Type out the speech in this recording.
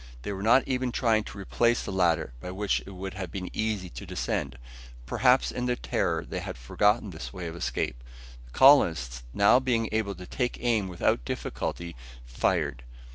They were not even trying to replace the ladder, by which it would have been easy to descend; perhaps in their terror they had forgotten this way of escape. The colonists, now being able to take aim without difficulty, fired.